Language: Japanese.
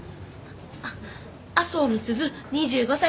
あっ麻生美鈴２５歳。